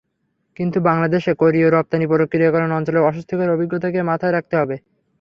কিন্তু বাংলাদেশে কোরীয় রপ্তানি প্রক্রিয়াকরণ অঞ্চলের অস্বস্তিকর অভিজ্ঞতাকে মাথায় রাখতে হবে।